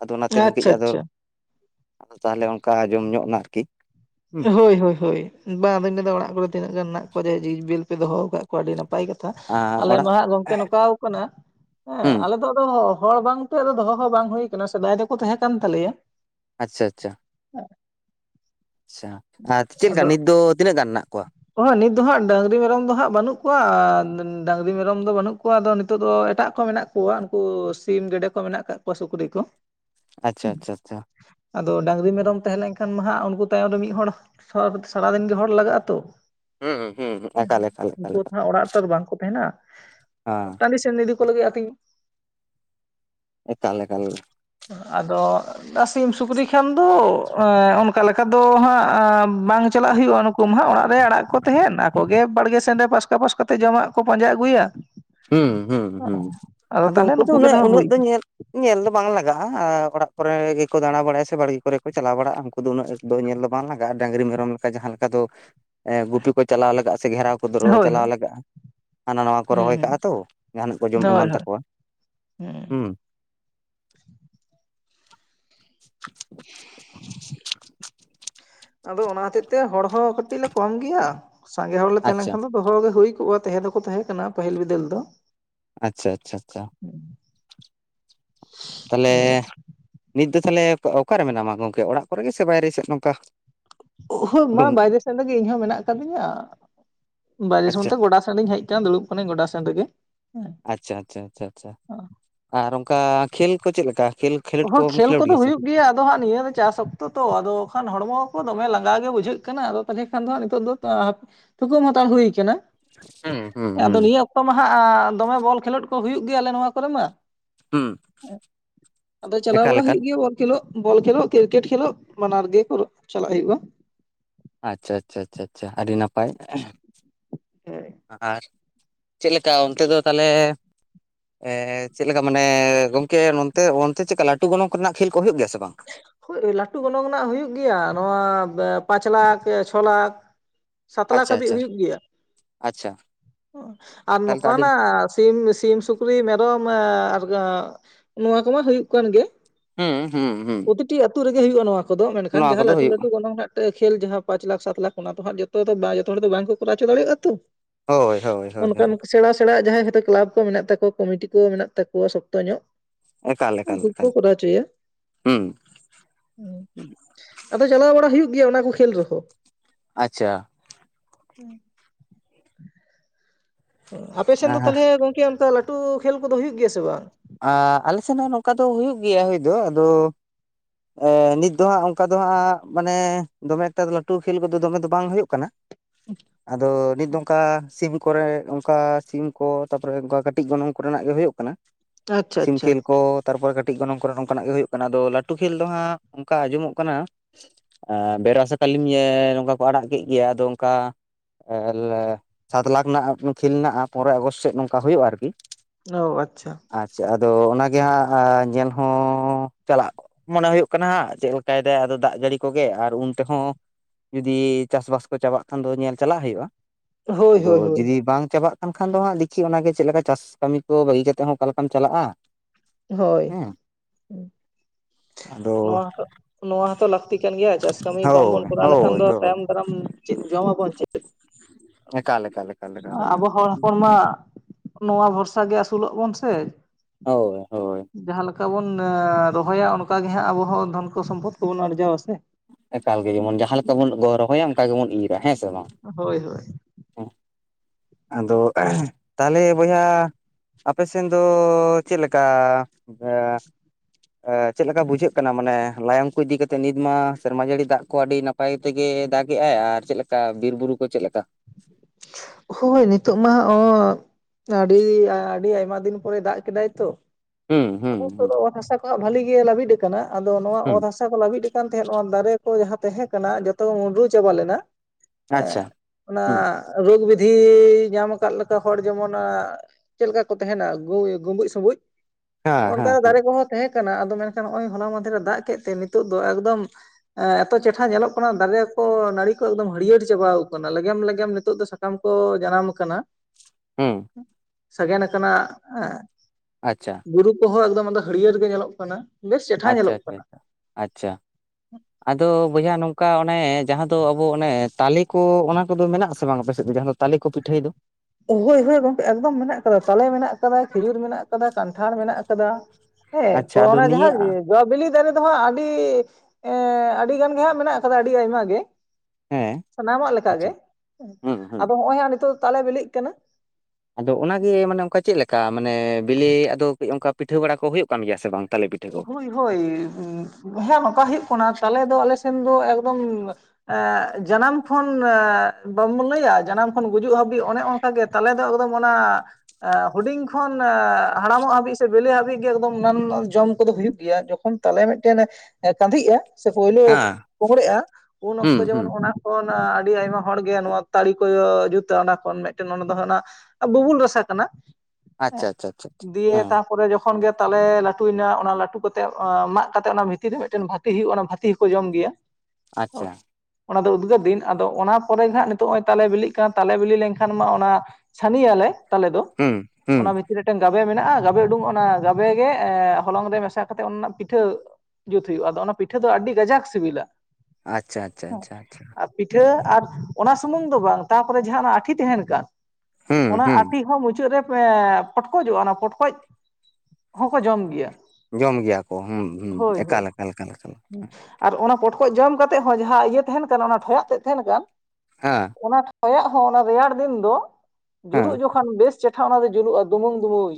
Speaker 1: ᱟᱫᱚ ᱚᱱᱟ ᱛᱮ ᱠᱟᱹᱡ
Speaker 2: ᱟᱪᱪᱷᱟ
Speaker 1: ᱟᱫᱚ
Speaker 2: ᱟᱪᱪᱷᱟ
Speaker 1: ᱟᱫᱚ ᱛᱟᱦᱞᱮ ᱚᱱᱠᱟ ᱟᱸᱡᱚᱢ ᱧᱚᱜ ᱱᱟ ᱟᱨᱠᱤ ᱦᱩᱸ
Speaker 2: ᱦᱳᱭ ᱦᱳᱭ ᱦᱳᱭ᱾ ᱵᱟᱝ ᱟᱸᱫᱚᱧ ᱢᱮᱱ ᱮᱫᱟ ᱚᱲᱟᱜ ᱠᱚᱨᱮ ᱛᱤᱱᱟᱹᱜ ᱜᱟᱱ ᱦᱮᱱᱟᱜ ᱠᱚᱣᱟ ᱡᱮ ᱵᱤᱞ ᱯᱮ ᱫᱚᱦᱚ ᱟᱠᱟᱫ ᱠᱚᱣᱟᱜ ᱟᱹᱰᱤ ᱱᱟᱯᱟᱭ ᱠᱟᱛᱷᱟ
Speaker 1: ᱟᱨ
Speaker 2: ᱾ᱟᱞᱮ ᱢᱟ
Speaker 1: ᱚᱲᱟᱜ
Speaker 2: ᱦᱟᱸᱜ ᱜᱚᱝᱠᱮ ᱱᱚᱝᱠᱟᱣ ᱠᱟᱱᱟ ᱦᱮᱸ
Speaker 1: ᱦᱩᱸ
Speaker 2: ᱟᱞᱮ ᱫᱚ ᱟᱫᱚ ᱦᱚᱲ ᱵᱟᱝ ᱛᱮ ᱟᱫᱚ ᱫᱚᱦᱚ ᱦᱚᱸ ᱵᱟᱝ ᱦᱳᱭ ᱠᱟᱱᱟ ᱥᱮᱫᱟᱭ ᱫᱚ ᱠᱚ ᱛᱟᱦᱮᱸ ᱠᱟᱱ ᱛᱟᱞᱮᱭᱟ᱾
Speaker 1: ᱟᱪᱪᱷᱟ ᱟᱪᱪᱷᱟ
Speaker 2: [UNINTELLIGIBLE]
Speaker 1: ᱟᱪᱪᱷᱟ ᱟᱨ ᱪᱮᱫ ᱞᱮᱠᱟ ᱱᱤᱛ ᱫᱚ ᱛᱤᱱᱟᱹᱜ ᱜᱟᱱ ᱦᱮᱱᱟᱜ ᱠᱚᱣᱟ?
Speaker 2: ᱚᱸ ᱦᱟᱸᱜ ᱱᱤᱛ ᱫᱚ ᱦᱟᱸᱜ ᱰᱟᱹᱝᱨᱤ ᱢᱮᱨᱚᱢ ᱫᱚ ᱦᱟᱸᱜ ᱵᱟᱹᱱᱩᱜ ᱠᱚᱣᱟ ᱾ᱰᱟᱹᱝᱨᱤ ᱢᱮᱨᱚᱢ ᱫᱚ ᱵᱟᱹᱱᱩᱜ ᱠᱚᱣᱟ᱾ ᱟᱫᱚ ᱱᱤᱛᱚᱜ ᱫᱚ ᱮᱴᱟᱜ ᱠᱚ ᱢᱮᱱᱟᱜ ᱠᱚᱣᱟᱜ ᱩᱱᱠᱩ ᱥᱤᱢ ᱜᱮᱰᱮ ᱠᱚ ᱢᱮᱱᱟᱜ ᱠᱟᱜ ᱠᱚᱣᱟ ᱥᱩᱠᱨᱤ ᱠᱚ᱾
Speaker 1: ᱟᱪᱪᱷᱟ ᱟᱪᱪᱷᱟ ᱟᱪᱪᱷᱟ
Speaker 2: ᱟᱫᱚ ᱰᱟᱹᱝᱨᱤ ᱢᱮᱨᱚᱢ ᱛᱟᱦᱮᱸ ᱞᱮᱱ ᱠᱷᱟᱱ ᱢᱟ ᱦᱟᱸᱜ ᱩᱱᱠᱩ ᱛᱟᱭᱚᱢ ᱨᱮ ᱢᱤᱫ ᱦᱚᱲ ᱥᱟᱨᱟ ᱫᱤᱱ ᱜᱮ ᱦᱚᱲ ᱞᱟᱜᱟᱜᱼᱟ ᱛᱚ᱾
Speaker 1: ᱦᱩᱸ ᱦᱩᱸ ᱦᱩᱸ ᱮᱠᱟᱞ ᱮᱠᱟᱞ ᱮᱠᱟᱞ
Speaker 2: ᱩᱱᱠᱩ
Speaker 1: ᱮᱠᱟᱞ
Speaker 2: ᱛᱚ ᱚᱲᱟᱜ ᱨᱮ ᱛᱚ ᱫᱚ ᱵᱟᱝ ᱠᱚ ᱛᱟᱦᱮᱱᱟ?
Speaker 1: ᱦᱮᱸ
Speaker 2: ᱴᱟᱞᱤᱥ ᱴᱟᱰᱤ ᱤᱫᱤ ᱠᱚ ᱞᱟᱹᱜᱤᱫ ᱟᱛᱤᱧ᱾
Speaker 1: ᱮᱠᱟᱞ ᱮᱠᱟᱞ
Speaker 2: ᱟᱫᱚ ᱥᱤᱢ ᱥᱩᱠᱨᱤ ᱠᱷᱟᱱ ᱫᱚ ᱚᱱᱠᱟ ᱞᱮᱠᱟ ᱫᱚ ᱦᱟᱸᱜ ᱵᱟᱝ ᱪᱟᱞᱟᱜ ᱦᱩᱭᱩᱜᱼᱟ ᱾ᱱᱩᱠᱩ ᱦᱚᱸ ᱚᱲᱟᱜ ᱨᱮ ᱟᱲᱟᱜ ᱠᱚ ᱛᱟᱦᱮᱱ᱾ ᱟᱠᱚ ᱜᱮ ᱵᱟᱲᱜᱮ ᱥᱮᱱ ᱨᱮ ᱯᱟᱥᱠᱟ ᱯᱟᱥᱠᱟ ᱛᱮ ᱡᱚᱢ ᱟᱜ ᱠᱚ ᱯᱟᱸᱡᱟ ᱟᱹᱜᱩᱭ-ᱟ᱾
Speaker 1: ᱦᱩᱸ ᱦᱩᱸ ᱦᱩᱸ ᱟᱫᱚ
Speaker 2: ᱛᱟᱦᱚᱞᱮ
Speaker 1: ᱩᱱᱠᱩ ᱫᱚ
Speaker 2: ᱱᱩᱠᱩ ᱜᱮ
Speaker 1: ᱩᱱᱟᱹᱜ
Speaker 2: ᱫᱚᱦᱚ
Speaker 1: ᱩᱱᱟᱹᱜ
Speaker 2: ᱦᱩᱭ
Speaker 1: ᱫᱚ ᱧᱮᱞ ᱧᱮᱞ ᱫᱚ ᱵᱟᱝ ᱞᱟᱜᱟᱜᱼᱟ ᱚᱲᱟᱜ ᱠᱚᱨᱮ ᱜᱮᱠᱚ ᱫᱟᱬᱟ ᱵᱟᱲᱟᱭᱟ ᱥᱮ ᱵᱟᱲᱜᱮ ᱠᱚᱨᱮ ᱠᱚ ᱪᱟᱞᱟᱣ ᱵᱟᱲᱟᱜᱼᱟ ᱫᱚ ᱩᱱᱟᱹᱜ ᱫᱚ ᱧᱮᱞ ᱫᱚ ᱵᱟᱝ ᱞᱟᱜᱟᱜᱼᱟ ᱰᱟᱹᱝᱨᱤ ᱢᱮᱨᱚᱢ ᱞᱮᱠᱟ ᱡᱟᱦᱟᱸ ᱞᱮᱠᱟ ᱫᱚ᱾ ᱜᱩᱯᱤ ᱠᱚ ᱪᱟᱞᱟᱣ ᱞᱟᱜᱟᱜᱼᱟ ᱥᱮ ᱜᱷᱮᱨᱟᱣ ᱠᱚ
Speaker 2: ᱦᱳᱭ
Speaker 1: ᱪᱟᱞᱟᱣ
Speaker 2: ᱦᱳᱭ
Speaker 1: ᱞᱟᱜᱟᱜᱼᱟ ᱦᱟᱱᱟ ᱱᱟᱣᱟ ᱠᱚ
Speaker 2: ᱦᱩᱸ
Speaker 1: ᱨᱚᱦᱚᱭ
Speaker 2: ᱦᱩᱸ
Speaker 1: ᱠᱟᱜᱼᱟ ᱛᱚ ᱡᱟᱦᱟᱱᱟᱜ ᱠᱚ ᱡᱚᱢ
Speaker 2: ᱦᱳᱭ
Speaker 1: ᱮᱢᱟᱱ
Speaker 2: ᱦᱳᱭ
Speaker 1: ᱛᱟᱠᱚᱣᱟ ᱦᱩᱸ
Speaker 2: [UNINTELLIGIBLE] ᱟᱫᱚ ᱚᱱᱟ ᱦᱚᱛᱮᱡ ᱛᱮ ᱦᱚᱲ ᱦᱚᱸ ᱠᱟᱹᱴᱤᱡ ᱞᱮ ᱠᱚᱢ ᱜᱮᱭᱟ ᱥᱟᱸᱜᱮ ᱦᱚᱲᱞᱮ ᱛᱟᱦᱮᱸ
Speaker 1: ᱟᱪᱪᱷᱟ
Speaker 2: ᱞᱮᱱᱠᱷᱟᱱ ᱫᱚ ᱦᱚᱲᱚ ᱜᱮ ᱦᱩᱭ ᱠᱚᱜᱼᱟ ᱛᱟᱦᱮᱸ ᱫᱚᱠᱚ ᱛᱟᱦᱮᱸ ᱠᱟᱱᱟ ᱯᱟᱹᱦᱤᱞ ᱵᱤᱫᱟᱹᱞ ᱫᱚ
Speaker 1: ᱟᱪᱪᱷᱟ ᱟᱪᱪᱷᱟ ᱟᱪᱷᱟ ᱛᱟᱦᱚᱞᱮ ᱱᱤᱛ ᱫᱚ ᱛᱟᱦᱞᱮ ᱚᱠᱟᱨᱮ ᱢᱮᱱᱟᱢᱟ ᱜᱚᱢᱠᱮ ᱚᱲᱟᱜ ᱠᱚᱨᱮ ᱜᱮ ᱥᱮ ᱵᱟᱭᱨᱮ ᱥᱮᱫ ᱱᱚᱝᱠᱟ
Speaker 2: ᱩᱸ ᱢᱟ
Speaker 1: ᱩᱰᱩᱝ
Speaker 2: ᱵᱟᱭᱨᱮ ᱥᱮᱱ ᱨᱮᱡᱮ ᱤᱧ ᱦᱚᱸ ᱢᱮᱱᱟᱜ ᱠᱟᱫᱤᱧᱟ᱾ ᱵᱟᱡᱮ
Speaker 1: ᱟᱪᱪᱷᱟ
Speaker 2: ᱥᱚᱱᱛᱮ ᱜᱚᱰᱟ ᱥᱮᱱ ᱨᱮᱧ ᱦᱮᱡ ᱟᱠᱟᱱᱟ ᱫᱩᱲᱩᱵ ᱟᱠᱟᱱᱟᱧ ᱜᱚᱰᱟ ᱥᱮᱱ ᱨᱮᱜᱮ ᱦᱮᱸ
Speaker 1: ᱟᱪᱪᱷᱟ, ᱟᱪᱪᱷᱟ, ᱟᱪᱪᱷᱟ, ᱟᱪᱪᱷᱟ ᱟᱨ ᱚᱱᱠᱟ ᱠᱷᱮᱞ ᱠᱚ ᱪᱮᱫ ᱞᱮᱠᱟ? ᱠᱷᱮᱞ ᱠᱷᱮᱞᱳᱰ
Speaker 2: ᱦᱳ
Speaker 1: ᱠᱚᱢ
Speaker 2: ᱠᱷᱮᱞ
Speaker 1: ᱠᱷᱮᱞᱳᱰ
Speaker 2: ᱠᱚᱫᱚ
Speaker 1: ᱥᱮ
Speaker 2: ᱦᱩᱭᱩᱜ ᱜᱮᱭᱟ ᱟᱫᱚ ᱦᱟᱸᱜ ᱱᱤᱭᱟᱹ ᱫᱚ ᱪᱟᱥᱼᱼ ᱛᱚ [UNINTELLIGIBLE] ᱟᱫᱚ ᱠᱷᱟᱱ ᱦᱚᱲᱢᱚ ᱠᱚ ᱫᱚᱢᱮ ᱞᱟᱸᱜᱟ ᱜᱮ ᱵᱩᱡᱷᱟᱹᱜ ᱠᱟᱱᱟ ᱾ ᱟᱫᱚ ᱛᱟᱦᱚᱞᱮ ᱠᱷᱟᱱ ᱫᱚ ᱱᱤᱛᱚᱜ ᱫᱚᱼᱼ ᱛᱷᱩᱠᱟᱹᱢ ᱦᱟᱛᱟᱲ ᱦᱩᱭ ᱠᱟᱱᱟ᱾
Speaker 1: ᱵᱟᱝ ᱦᱩᱸ ᱦᱩᱸ
Speaker 2: ᱟᱫᱚ
Speaker 1: ᱦᱩᱸ
Speaker 2: ᱱᱤᱭᱟᱹ ᱚᱠᱛᱚ ᱢᱟ ᱦᱟᱸᱜ ᱫᱚᱢᱮ ᱵᱚᱞ ᱠᱷᱮᱞᱳᱰ ᱠᱚ ᱦᱩᱭᱩᱜ ᱜᱮᱭᱟ ᱟᱞᱮ ᱱᱚᱣᱟ ᱠᱚᱨᱮ ᱢᱟ᱾
Speaker 1: ᱦᱩᱸ
Speaker 2: ᱟᱫᱚ ᱪᱟᱞᱟᱣ
Speaker 1: ᱮᱠᱟᱞ
Speaker 2: ᱵᱟᱲᱟ
Speaker 1: ᱮᱠᱟᱞ
Speaker 2: ᱦᱩᱭᱩᱜ ᱜᱮᱭᱟ ᱵᱚᱞ ᱠᱷᱮᱞᱳᱜ, ᱵᱚᱞ ᱠᱷᱮᱞᱳᱜ, ᱠᱨᱤᱠᱮᱴ ᱠᱷᱮᱞᱳᱜ ᱵᱟᱱᱟᱨ ᱜᱮᱠᱚ ᱪᱟᱞᱟᱜ ᱦᱩᱭᱩᱜᱼᱟ᱾
Speaker 1: ᱟᱪᱪᱷᱟ, ᱟᱪᱪᱷᱟ, ᱟᱪᱪᱷᱟ ᱟᱹᱰᱤ ᱱᱟᱯᱟᱭ᱾ ᱟᱨᱼᱼ ᱪᱮᱫ ᱞᱮᱠᱟ ᱚᱱᱛᱮ ᱫᱚ ᱛᱟᱞᱦᱮᱼᱼ ᱮᱸ ᱪᱮᱫ ᱢᱟᱱᱮ ᱜᱚᱝᱠᱮ ᱱᱚᱱᱛᱮ ᱚᱱᱛᱮ ᱪᱮᱫ ᱞᱮᱠᱟ ᱞᱟᱹᱴᱩ ᱜᱚᱱᱚᱝ ᱠᱚᱨᱮᱱᱟᱜ ᱠᱷᱮᱞ ᱠᱚ ᱦᱩᱭᱩᱜ ᱜᱮᱭᱟ ᱥᱮᱼᱼ
Speaker 2: [UNINTELLIGIBLE] ᱦᱳᱭ ᱞᱟᱹᱴᱩ ᱜᱚᱱᱚᱝ ᱨᱮᱱᱟᱜ ᱦᱳᱭᱳᱜ ᱜᱮᱭᱟ᱾ ᱱᱚᱶᱟ ᱯᱟᱸᱪ ᱞᱟᱠᱷ, ᱪᱷᱚ ᱞᱟᱠᱷ᱾ ᱥᱟᱛ ᱞᱟᱠᱷ
Speaker 1: ᱟᱪᱪᱷᱟ
Speaker 2: ᱦᱟᱹᱵᱤᱡ
Speaker 1: ᱟᱪᱪᱷᱟ
Speaker 2: ᱦᱩᱭᱩᱜ ᱜᱮᱭᱟ᱾
Speaker 1: ᱟᱪᱪᱷᱟ
Speaker 2: ᱟᱨ
Speaker 1: ᱛᱟᱦᱚᱞᱮ ᱛᱚ ᱟᱹᱰᱤ
Speaker 2: ᱱᱚᱝᱠᱟᱱᱟᱜᱼᱼ ᱥᱤᱢ, ᱥᱤᱢ ᱥᱩᱠᱨᱤ ᱢᱮᱨᱚᱢ ᱮᱸ ᱟᱨ ᱱᱚᱣᱟ ᱠᱚᱢᱟ ᱦᱩᱭᱩᱜ ᱠᱟᱱ ᱜᱮᱭᱟ᱾
Speaker 1: ᱦᱩᱸ, ᱦᱩᱸ, ᱦᱩᱸ᱾
Speaker 2: ᱠᱟᱹᱴᱤᱡ ᱟᱹᱛᱩ ᱨᱮᱜᱮ ᱦᱩᱭᱩᱜᱼᱟ ᱱᱚᱣᱟ ᱠᱚᱫᱚ᱾ ᱢᱮᱱᱠᱷᱟᱱ
Speaker 1: ᱱᱚᱣᱟ
Speaker 2: ᱡᱟᱦᱟᱸ
Speaker 1: ᱠᱚᱫᱚ
Speaker 2: ᱞᱟᱹᱴᱩ
Speaker 1: ᱦᱩᱭᱩᱜᱼᱟ
Speaker 2: ᱞᱟᱹᱴᱩ ᱜᱚᱱᱚᱝ ᱦᱟᱸᱜᱼᱼ ᱢᱤᱫ ᱠᱷᱮᱞ ᱡᱟᱦᱟᱸ ᱯᱟᱸᱪ ᱞᱟᱠᱷ, ᱥᱟᱛ ᱞᱟᱠᱷ ᱚᱱᱟ ᱫᱚ ᱦᱟᱸᱜ ᱡᱚᱛᱚ ᱫᱚ ᱵᱟᱝ ᱡᱚᱛᱚ ᱦᱚᱲ ᱫᱚ ᱵᱟᱝ ᱠᱚᱨᱟᱣ ᱦᱚᱪᱚ ᱫᱟᱲᱮᱭᱟᱜᱼᱟ ᱛᱚ᱾
Speaker 1: ᱦᱳᱭ ᱦᱳᱭ ᱦᱳᱭ
Speaker 2: ᱚᱱᱠᱟᱱ
Speaker 1: ᱦᱳᱭ
Speaker 2: ᱥᱮᱬᱟ, ᱥᱮᱬᱟ ᱡᱟᱦᱟᱸᱭ ᱦᱚᱭᱛᱳ ᱠᱮᱞᱟᱵᱽ ᱢᱮᱱᱟᱜ ᱛᱟᱠᱚᱣᱟ᱾ ᱠᱚᱢᱤᱴᱤ ᱠᱚ ᱢᱮᱱᱟᱜ ᱛᱟᱠᱚᱣᱟ ᱥᱚᱠᱛᱚ ᱧᱚᱜ᱾
Speaker 1: ᱮᱠᱟᱞ, ᱮᱠᱟᱞ,
Speaker 2: ᱩᱱᱠᱩ ᱠᱚ ᱠᱚᱨᱟᱣ
Speaker 1: ᱦᱩᱸ᱾
Speaker 2: ᱦᱮᱸ, ᱟᱫᱚ ᱪᱟᱞᱟᱣ ᱵᱟᱲᱟ ᱦᱩᱭᱩᱜ ᱜᱮᱭᱟ ᱚᱱᱟ ᱠᱚ ᱠᱷᱮᱞ ᱨᱮᱦᱚᱸ᱾
Speaker 1: ᱟᱪᱪᱷᱟ᱾
Speaker 2: ᱟᱯᱮ ᱥᱮᱱ ᱫᱚ ᱛᱟᱦᱚᱞᱮ ᱜᱚᱝᱠᱮ ᱚᱱᱠᱟᱱ ᱞᱟᱹᱴᱩ ᱠᱷᱮᱞ ᱠᱚᱫᱚ ᱦᱩᱭᱩᱜ ᱜᱮᱭᱟ ᱥᱮ ᱵᱟᱝ?
Speaker 1: ᱟᱸ, ᱟᱞᱮ ᱥᱮᱱ ᱱᱚᱝᱠᱟ ᱫᱚ ᱦᱩᱭᱩᱜ ᱜᱮᱭᱟ ᱦᱩᱭ ᱫᱚ, ᱟᱫᱚᱼᱼ ᱮᱸ ᱱᱤᱛ ᱫᱚ ᱦᱟᱸᱜ, ᱚᱱᱠᱟ ᱫᱚ ᱦᱟᱸᱜ ᱢᱟᱱᱮ ᱫᱚᱢᱮ ᱮᱠᱴᱟ ᱫᱚ ᱞᱟᱹᱴᱩ ᱠᱷᱮᱞ ᱠᱚᱫᱚ ᱫᱚᱢᱮ ᱫᱚ ᱵᱟᱝ ᱦᱳᱭᱳᱜ ᱠᱟᱱᱟ᱾ ᱟᱫᱚ ᱱᱤᱛ ᱫᱚᱢᱼᱼ ᱚᱱᱠᱟ ᱥᱤᱢ ᱠᱚᱨᱮ, ᱚᱱᱠᱟ ᱥᱤᱢ ᱠᱚ ᱛᱟᱯᱚᱨᱮ ᱚᱱᱠᱟ ᱠᱟᱹᱴᱤᱡ ᱜᱚᱱᱚᱝ ᱠᱚ ᱨᱮᱱᱟᱜ ᱜᱮ ᱦᱳᱭᱳᱜ ᱠᱟᱱᱟ᱾
Speaker 2: ᱟᱪᱪᱷᱟ
Speaker 1: ᱥᱤᱢ
Speaker 2: ᱟᱪᱪᱷᱟ
Speaker 1: ᱠᱷᱮᱞ ᱠᱚᱼᱼ ᱛᱟᱨᱯᱚᱨᱮ ᱠᱟᱹᱴᱤᱡ ᱜᱚᱱᱚᱝ ᱠᱚᱨᱮ ᱱᱚᱝᱠᱟᱱᱟᱜ ᱜᱮ ᱦᱳᱭᱳᱜ ᱠᱟᱱᱟ᱾ ᱟᱫᱚ ᱞᱟᱹᱴᱩ ᱠᱷᱮᱞ ᱫᱚ ᱦᱟᱸᱜ ᱚᱱᱠᱟ ᱟᱸᱡᱚᱢᱚᱜ ᱠᱟᱱᱟ᱾ ᱮᱸ [UNINTELLIGIBLE] ᱱᱚᱝᱠᱟ ᱠᱚ ᱟᱲᱟᱜ ᱠᱮᱜ ᱜᱮᱭᱟ᱾ ᱟᱫᱚ ᱚᱱᱠᱟᱼᱼ ᱥᱟᱛ ᱞᱟᱠᱷ ᱨᱮᱱᱟᱜ ᱠᱷᱮᱞ ᱦᱮᱱᱟᱜᱼᱟ᱾ ᱯᱚᱱᱚᱨᱚᱭ ᱟᱜᱚᱥᱴ ᱥᱮᱫ ᱱᱚᱝᱠᱟ ᱦᱳᱭᱳᱜᱼᱟ ᱟᱨᱠᱤ᱾
Speaker 2: ᱚ, ᱟᱪᱪᱷᱟ᱾
Speaker 1: ᱟᱪᱪᱷᱟ, ᱟᱫᱚ ᱚᱱᱟᱜᱮ ᱦᱟᱸᱜ ᱧᱮᱞ ᱦᱚᱸ ᱪᱟᱞᱟᱜᱼᱼ ᱢᱚᱱᱮ ᱦᱩᱭᱩᱜ ᱠᱟᱱᱟ ᱦᱟᱸᱜ, ᱪᱮᱫ ᱞᱮᱠᱟᱭ ᱫᱟᱭ ᱟᱫᱚ ᱫᱟᱜ ᱡᱟᱹᱲᱤ ᱠᱚᱜᱮ, ᱟᱨ ᱩᱱ ᱛᱮᱦᱚᱸᱼᱼ ᱡᱩᱫᱤ ᱪᱟᱥᱵᱟᱥ ᱠᱚ ᱪᱟᱵᱟᱜ ᱠᱷᱟᱱ ᱫᱚ ᱧᱮᱞ ᱪᱟᱞᱟᱜ ᱦᱳᱭᱳᱜᱼᱟ᱾
Speaker 2: ᱦᱳᱭ
Speaker 1: ᱟᱫᱚ
Speaker 2: ᱦᱳᱭ ᱦᱳᱭ
Speaker 1: ᱡᱩᱫᱤ ᱵᱟᱝ ᱪᱟᱵᱟᱜ ᱠᱟᱱ ᱠᱷᱟᱱ ᱫᱚ ᱦᱟᱸᱜ, ᱫᱮᱠᱷᱤ ᱚᱱᱟᱜᱮ ᱪᱮᱫ ᱞᱮᱠᱟ ᱪᱟᱥ ᱠᱟᱹᱢᱤ ᱠᱚ ᱵᱟᱹᱜᱤ ᱠᱟ ᱠᱟᱛᱮ ᱦᱚᱸᱼᱼ ᱚᱠᱟ ᱞᱮᱠᱟᱢ ᱪᱟᱞᱟᱜᱼᱟ᱾
Speaker 2: ᱦᱳᱭ,
Speaker 1: ᱦᱮᱸ ᱟᱫᱚ
Speaker 2: ᱱᱚᱣᱟ, ᱱᱚᱣᱟ ᱦᱚᱸᱛᱚ ᱞᱟᱹᱠᱛᱤ ᱠᱟᱱ ᱜᱮᱭᱟ᱾ ᱪᱟᱥ ᱠᱟᱹᱢᱤ ᱵᱟᱝ ᱵᱚᱱ
Speaker 1: ᱦᱳᱭ
Speaker 2: ᱠᱚᱨᱟᱣ ᱞᱮᱠᱷᱟᱱ
Speaker 1: ᱦᱳᱭ
Speaker 2: ᱫᱚ,
Speaker 1: ᱦᱳᱭ
Speaker 2: ᱛᱟᱭᱚᱢ ᱫᱟᱨᱟᱢ ᱪᱮᱫ ᱡᱚᱢ ᱟᱵᱚᱱ ᱪᱮᱫ᱾
Speaker 1: ᱮᱠᱟᱞ, ᱮᱠᱟᱞ᱾ ᱮᱠᱟᱞ ᱮᱠᱟᱞ ᱮᱠᱟᱞ
Speaker 2: ᱟᱵᱚ ᱦᱚᱲ ᱦᱚᱯᱚᱱ ᱢᱟ, ᱱᱚᱣᱟ ᱵᱷᱚᱨᱥᱟ ᱜᱮ ᱟᱹᱥᱩᱞᱚᱜ ᱵᱚᱱ ᱥᱮ᱾
Speaker 1: ᱦᱳᱭ ᱦᱳᱭ
Speaker 2: ᱡᱟᱦᱟᱸ ᱠᱟ ᱵᱚᱱ ᱨᱚᱦᱚᱭᱟ᱾ ᱚᱱᱠᱟ ᱜᱮ ᱦᱟᱸᱜ ᱟᱵᱚ ᱦᱚᱸ ᱫᱷᱚᱱ ᱠᱚ, ᱥᱚᱢᱯᱚᱫ ᱠᱚ ᱵᱚᱱ ᱟᱨᱡᱟᱣᱟ ᱥᱮ᱾
Speaker 1: ᱮᱠᱟᱞ ᱜᱮ ᱡᱮᱢᱚᱱ, ᱡᱟᱦᱟᱸ ᱞᱮᱠᱟ ᱵᱚᱱ ᱜᱚ ᱨᱚᱦᱚᱭᱟ ᱚᱱᱠᱟ ᱜᱮᱵᱚᱱ ᱤᱨᱟ ᱦᱮᱸ ᱥᱮ ᱵᱟᱝ᱾
Speaker 2: ᱦᱳᱭ, ᱦᱳᱭ᱾
Speaker 1: [UNINTELLIGIBLE] ᱟᱫᱚ ᱛᱟᱦᱞᱮ ᱵᱚᱭᱦᱟᱻᱻ ᱟᱯᱮ ᱥᱮᱱ ᱫᱚᱻ ᱪᱮᱫ ᱞᱮᱠᱟ ᱚᱱᱠᱟ ᱪᱮᱫ ᱞᱮᱠᱟ ᱵᱩᱡᱷᱟᱹᱜ ᱠᱟᱱᱟ ᱢᱟᱱᱮ ᱞᱟᱭᱚᱝ ᱠᱚ ᱤᱫᱤ ᱠᱟᱛᱮᱜ ᱱᱤᱛ ᱢᱟ ᱥᱮᱨᱢᱟ ᱡᱟᱹᱲᱤ ᱫᱟᱜ ᱠᱚ ᱟᱹᱰᱤ ᱱᱟ ᱯᱟᱭ ᱛᱮᱜᱮ ᱫᱟᱜᱮ-ᱟᱭ ᱟᱨ ᱪᱮᱫ ᱞᱮᱠᱟ ᱵᱤᱨ ᱵᱩᱨᱩ ᱠᱚ ᱪᱮᱫ ᱞᱮᱠᱟ?
Speaker 2: ᱦᱳᱭ ᱱᱤᱛᱚᱜ ᱢᱟ ᱚ ᱟᱹᱰᱤ ᱟᱹᱰᱤ ᱟᱭᱢᱟ ᱫᱤᱱ ᱯᱚᱨᱮ ᱫᱟᱜ ᱠᱮᱫᱟᱭ ᱛᱚ,
Speaker 1: ᱦᱩᱸ ᱦᱩᱸ
Speaker 2: ᱟᱫᱚ ᱱᱤᱛᱚᱜ
Speaker 1: ᱦᱩᱸ
Speaker 2: ᱫᱚ ᱚᱛ ᱦᱟᱥᱟ ᱠᱚ ᱦᱟᱸᱜ ᱵᱷᱟᱞᱤ ᱜᱮ ᱞᱟᱹᱵᱤᱫ ᱟᱠᱟᱱᱟ ᱟᱫᱚ ᱱᱚᱣᱟ
Speaker 1: ᱦᱩᱸ
Speaker 2: ᱚᱛ ᱦᱟ ᱥᱟ ᱞᱟᱹᱵᱤᱫ ᱟᱠᱟᱱ ᱛᱟᱦᱮᱸᱫ ᱱᱚᱣᱟ ᱫᱟᱨᱮ ᱠᱚ ᱡᱟᱦᱟᱸ ᱛᱟᱦᱮᱸ ᱠᱟᱱᱟ ᱡᱷᱚᱛᱚ ᱢᱩᱰᱨᱩ ᱪᱟᱵᱟ ᱞᱮᱱᱟ, ᱦᱮᱸ
Speaker 1: ᱟᱪᱪᱷᱟ
Speaker 2: ᱚᱱᱟ
Speaker 1: ᱦᱩᱸ
Speaker 2: ᱨᱳᱜᱽ ᱵᱤᱫᱷᱤ ᱧᱟᱢ ᱠᱟᱫ ᱞᱮᱠᱟ ᱦᱚᱲ ᱡᱮᱢᱚᱱ ᱱᱟᱜ ᱪᱮᱫ ᱞᱮᱠᱟ ᱠᱚ ᱛᱟᱦᱮᱸᱱᱟ ᱜᱩᱸ ᱜᱩᱸᱵᱩᱡ ᱥᱩᱸᱵᱩᱡ?
Speaker 1: ᱦᱮᱸ ᱦᱮᱸ
Speaker 2: ᱚᱱᱠᱟ
Speaker 1: ᱦᱮᱸ
Speaker 2: ᱫᱟᱨᱮ ᱠᱚᱦᱚᱸ ᱛᱟᱦᱮᱸ ᱠᱟᱱᱟ ᱚᱱᱠᱟ ᱫᱟᱨᱮ ᱠᱚᱦᱚᱸ ᱛᱟᱦᱮᱸ ᱠᱟᱱᱟ ᱟᱫᱚ ᱢᱮᱱᱠᱷᱟᱱ ᱱᱚᱜ-ᱚᱭ ᱦᱚᱞᱟ ᱢᱟᱦᱫᱷᱮᱨᱮ ᱫᱟᱜ ᱠᱮᱫ ᱛᱮ ᱱᱤᱛᱚᱜ ᱫᱚ ᱮᱠᱫᱚᱢ ᱮᱸ ᱮᱛᱚ ᱪᱮᱴᱷᱟ ᱧᱮᱞᱚᱜ ᱠᱟᱱᱟ ᱫᱟᱨᱮ ᱠᱚ ᱱᱟᱹᱲᱤ ᱠᱚ ᱮᱠᱫᱚᱢ ᱦᱟᱹᱨᱭᱟᱹᱲ ᱪᱟᱵᱟᱣ ᱠᱟᱱᱟ ᱞᱮᱜᱮᱢ ᱞᱮᱜᱮᱢ ᱱᱤᱛᱚᱜ ᱫᱚ ᱥᱟᱠᱟᱢ ᱠᱚ ᱡᱟᱱᱟᱢ ᱠᱟᱱᱟ᱾
Speaker 1: ᱦᱩᱸ᱾
Speaker 2: ᱥᱟᱜᱮᱱ ᱠᱟᱱᱟ ᱮᱸᱜ
Speaker 1: ᱟᱪᱪᱷᱟ,
Speaker 2: ᱵᱩᱨᱩ ᱠᱚᱦᱚᱸ ᱮᱠᱫᱚᱢ ᱟᱫᱚ ᱦᱟᱹᱲᱭᱟᱹᱨ ᱜᱮ ᱧᱮᱞᱚᱜ ᱠᱟᱱᱟ᱾ ᱵᱮᱥ ᱪᱮᱴᱷᱟ
Speaker 1: ᱟᱪᱪᱷᱟ
Speaker 2: ᱧᱮᱞᱚᱜ ᱠᱟᱱᱟ
Speaker 1: ᱟᱪᱪᱷᱟ ᱟᱪᱪᱷᱟ, ᱟᱪᱪᱷᱟ ᱾ ᱟᱫᱚ ᱵᱚᱭᱦᱟ ᱱᱚᱝᱠᱟ ᱚᱱᱮ ᱡᱟᱦᱟᱸ ᱫᱚ ᱟᱵᱚ ᱚᱱᱮ ᱛᱟᱞᱮ ᱠᱚ ᱚᱱᱟ ᱠᱚᱫᱚ ᱢᱮᱱᱟᱜ ᱟᱥᱮ ᱵᱟᱝ ᱟᱯᱮᱥᱮᱫ ᱫᱚ ᱡᱟᱦᱟᱸ ᱫᱚ ᱛᱟᱞᱮ ᱠᱚ ᱯᱤᱴᱷᱟᱹᱭ ᱫᱚ
Speaker 2: ᱦᱳᱭ ᱦᱳᱭ ᱜᱚᱝᱠᱮ ᱮᱠᱫᱚᱢ ᱢᱮᱱᱟᱜ ᱟᱠᱟᱫᱟ ᱛᱟᱞᱮ ᱢᱮᱱᱟᱜ ᱟᱠᱟᱫᱟ ᱠᱷᱤᱡᱩᱨ ᱢᱮᱱᱟᱜ ᱟᱠᱟᱫᱟ ᱠᱟᱱᱴᱷᱟᱲ ᱢᱮᱱᱟᱜ ᱟᱠᱟᱫᱟ᱾ ᱦᱮᱸ ᱛᱚ
Speaker 1: ᱟᱪᱪᱷᱟ ᱟᱫᱚ
Speaker 2: ᱚᱱᱟ ᱡᱟᱦᱟᱸ
Speaker 1: ᱱᱤᱭᱟᱹ
Speaker 2: ᱤᱭᱟᱹ ᱡᱚ ᱵᱤᱞᱤ ᱫᱟᱨᱮ ᱫᱚ ᱦᱟᱸᱜ ᱟᱹᱰᱤ ᱮᱻ ᱟᱹᱰᱤ ᱜᱟᱱ ᱜᱮ ᱦᱟᱸᱜ ᱢᱮᱱᱟᱜ ᱟᱠᱟᱫᱟ ᱟᱹᱰᱤ ᱟᱭᱢᱟ ᱜᱮ,
Speaker 1: ᱦᱮᱸ
Speaker 2: ᱥᱟᱱᱟᱢᱟᱜ
Speaker 1: ᱟᱪᱪᱷᱟ
Speaker 2: ᱞᱮᱠᱟᱜᱮ
Speaker 1: ᱦᱩᱸ ᱦᱩᱸ
Speaker 2: ᱟᱫᱚ ᱦᱚᱸᱜ-ᱚᱭ ᱦᱟᱸᱜ ᱱᱤᱛᱳᱜ ᱫᱚ ᱛᱟᱞᱮ ᱵᱤᱞᱤᱜ ᱠᱟᱱᱟ᱾
Speaker 1: ᱟᱫᱚ ᱚᱱᱟᱜᱮ ᱢᱟᱱᱮ ᱚᱱᱠᱟ ᱪᱮᱫ ᱞᱮᱠᱟ ᱢᱟᱱᱮ ᱵᱤᱞᱤ ᱟᱫᱚ ᱠᱟᱹᱡ ᱚᱱᱠᱟ ᱯᱤᱴᱷᱟᱹ ᱰᱟᱲᱟ ᱠᱚ ᱦᱩᱭᱩᱜ ᱠᱟᱱ ᱜᱮᱭᱟ ᱥᱮ ᱵᱟᱝ ᱛᱟᱞᱮ ᱯᱤᱴᱷᱟᱹ ᱠᱚ?
Speaker 2: ᱦᱳᱭ ᱦᱳᱭ, ᱦᱮᱸ ᱱᱚᱠᱟ ᱦᱩᱭᱩᱜ ᱠᱟᱱᱟ ᱛᱟᱞᱮ ᱫᱚ ᱟᱞᱮᱥᱮᱱ ᱫᱚ ᱮᱠᱫᱚᱢ ᱮᱸᱜ ᱡᱟᱱᱟᱢ ᱠᱷᱚᱱ ᱵᱟᱵᱚᱱ ᱞᱟᱹᱭᱟ ᱡᱟᱱᱟᱢ ᱠᱷᱚᱱ ᱜᱩᱡᱩᱜ ᱦᱟᱹᱵᱤᱡ ᱚᱱᱮ ᱚ ᱠᱟᱜᱮ ᱛᱟᱞᱮ ᱫᱚ ᱚᱠᱫᱚᱢ ᱚᱱᱟ ᱮᱸ ᱦᱩᱰᱤᱧ ᱠᱷᱚᱱ ᱦᱟᱲᱟᱢᱚᱜ ᱦᱟᱹᱵᱤᱡ ᱥᱮ ᱵᱤᱞᱤ ᱦᱟᱹᱵᱤᱡ ᱜᱮ ᱮᱠᱫᱚᱢ ᱚᱱᱟ ᱱᱟ ᱡᱚᱢ ᱠᱚᱫᱚ ᱦᱩᱭᱩᱜ ᱜᱮᱭᱟ ᱡᱚᱠᱷᱚᱱ ᱛᱟᱞᱮ ᱢᱤᱫᱴᱮᱱ ᱠᱟᱸᱫᱷᱤᱜ-ᱟ ᱥᱮ ᱯᱩᱭᱞᱳ
Speaker 1: ᱦᱮᱸ
Speaker 2: ᱯᱚᱠᱲᱮᱜ-ᱟ ᱩᱱ ᱚᱠᱛᱚ
Speaker 1: ᱦᱩᱸ
Speaker 2: ᱡᱮᱢᱚᱱ
Speaker 1: ᱦᱩᱸ
Speaker 2: ᱚᱱᱟ ᱠᱷᱚᱱ ᱟᱹᱰᱤ ᱟᱭᱢᱟ ᱦᱚᱲ ᱜᱮ ᱱᱚᱣᱟ ᱛᱟᱹᱲᱤ ᱠᱚ ᱡᱩᱛᱟ ᱚᱱᱟ ᱠᱷᱚᱱ ᱢᱤᱫᱴᱮᱱ ᱚᱱᱟ ᱫᱚ ᱦᱟᱸᱜ ᱚᱱᱟ ᱵᱩᱵᱩᱞ ᱨᱚᱥᱟ ᱠᱟᱱᱟ᱾ ᱦᱮᱸ
Speaker 1: ᱟᱪᱪᱷᱟ ᱟᱪᱪᱷᱟ ᱟᱪᱪᱷᱟ
Speaker 2: ᱫᱤᱭᱮ
Speaker 1: ᱦᱮᱸ
Speaker 2: ᱛᱟᱯᱚᱨᱮ ᱡᱚᱠᱷᱚᱱ ᱜᱮ ᱛᱟᱞᱮ ᱞᱟᱹᱴᱩᱭᱮᱱᱟ ᱚᱱᱟ ᱞᱟᱹᱴᱩ ᱠᱟᱛᱮᱜ ᱮᱸ ᱢᱟᱜ ᱠᱟᱛᱮ ᱚᱱᱟ ᱵᱷᱤᱛᱤᱨ ᱨᱮ ᱢᱤᱫᱴᱮᱱ ᱵᱷᱟᱛᱤ ᱦᱩᱭᱩᱜ ᱚᱱᱟ ᱵᱷᱟᱛᱤ ᱦᱚᱸᱠᱚ ᱡᱚᱢ ᱜᱮᱭᱟ᱾
Speaker 1: ᱟᱪᱪᱷᱟ,
Speaker 2: ᱚᱱᱟ ᱫᱚ ᱩᱫᱽᱜᱟᱹᱨ ᱫᱤᱱ ᱟᱫᱚ ᱚᱱᱟ ᱯᱚᱨᱮ ᱜᱮ ᱦᱟᱸᱜ ᱱᱤᱛᱚᱜ ᱱᱚᱜ-ᱚᱭ ᱛᱟᱞᱮ ᱵᱤᱞᱤᱜ ᱠᱟᱱᱟ ᱛᱟᱞᱮ ᱵᱤᱞᱤ ᱞᱮᱱ ᱠᱷᱟᱱ ᱢᱟ ᱚᱱᱟ ᱪᱷᱟᱱᱤᱭᱟᱞᱮ, ᱛᱟᱞᱮ ᱫᱚ,
Speaker 1: ᱦᱩᱸ ᱦᱩᱸ
Speaker 2: ᱚᱱᱟ ᱵᱷᱤᱛᱤᱨ ᱨᱮ ᱢᱤᱫᱴᱮᱱ ᱜᱟᱵᱮ ᱢᱮᱱᱟᱜ-ᱟ ᱜᱟᱵᱮ ᱩᱰᱩᱝᱚᱜ-ᱟ ᱚᱱᱟ ᱜᱟᱵᱮ ᱜᱮ ᱮᱸ ᱦᱚᱞᱚᱝ ᱨᱮ ᱢᱮᱥᱟ ᱠᱟᱛᱮᱫ ᱚᱱᱟ ᱨᱮᱱᱟᱜ ᱯᱤᱴᱷᱟᱹ ᱡᱩᱛ ᱦᱩᱭᱩᱜ-ᱟ ᱟᱫᱚ ᱚᱱᱟ ᱯᱤᱴᱷᱟᱹ ᱫᱚ ᱟᱹᱰᱤ ᱠᱟᱡᱟᱠ ᱥᱤᱵᱤᱞᱟ ᱾
Speaker 1: ᱟᱪᱪᱷᱟ ᱟᱪᱪᱷᱟ
Speaker 2: ᱦᱮᱸ
Speaker 1: ᱟᱪᱪᱷᱟ ᱟᱪᱪᱷᱟ
Speaker 2: ᱟᱨ ᱯᱤᱴᱷᱟᱹ ᱟᱨ ᱚᱱᱟ ᱥᱩᱢᱩᱝ ᱫᱚ ᱵᱟᱝ ᱛᱟᱯᱚᱨᱮ ᱡᱟᱦᱟᱸ ᱚᱱᱟ ᱟᱴᱷᱤ ᱛᱟᱦᱮᱱ ᱠᱟᱱ
Speaker 1: ᱦᱩᱸ
Speaker 2: ᱚᱱᱟ
Speaker 1: ᱦᱩᱸ
Speaker 2: ᱟᱴᱷᱤ ᱦᱚᱸ ᱢᱩᱪᱟᱹᱫ ᱨᱮ ᱯᱚᱴᱠᱚᱡᱚᱜ-ᱟ ᱚᱱᱟ ᱯᱚᱴᱠᱚᱡ ᱦᱚᱸᱠᱚ ᱡᱚᱢ ᱜᱮᱭᱟ ᱾
Speaker 1: ᱡᱚᱢ ᱜᱮᱭᱟ ᱠᱚᱸ ᱦᱩᱸ ᱮᱠᱟᱞ ᱮᱠᱟᱞ ᱮᱠᱟᱞ᱾
Speaker 2: ᱦᱩᱸ ᱟᱨ ᱚᱱᱟ ᱯᱚᱴᱠᱚᱡ ᱡᱚᱢ ᱠᱟᱛᱮᱜ ᱦᱚᱸ ᱡᱟᱦᱟᱸ ᱤᱭᱟᱹ ᱛᱟᱦᱮᱸᱱ ᱠᱟᱱ ᱚᱱᱟ ᱴᱷᱚᱭᱟᱜ ᱛᱮᱫ ᱛᱟᱦᱮᱸᱱ ᱠᱟᱱ
Speaker 1: ᱦᱮᱸ᱾
Speaker 2: ᱚᱱᱟ ᱴᱷᱚᱭᱟᱜ ᱦᱚᱸ ᱚᱱᱟ ᱨᱮᱭᱟᱲ ᱫᱤᱱ ᱫᱚ
Speaker 1: ᱦᱮᱸ
Speaker 2: ᱡᱩᱨᱩᱜ ᱡᱚᱠᱷᱚᱱ ᱵᱮᱥ ᱪᱮ ᱴᱷᱟ ᱚᱱᱟ ᱫᱚ ᱡᱩᱞᱩᱜᱼᱟ ᱫᱩᱢᱩᱝ ᱫᱩᱢᱩᱭ᱾